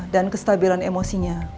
dan kestabilan emosinya